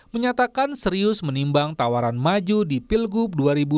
menyatakan serius menimbang tawaran maju di pilgub dua ribu dua puluh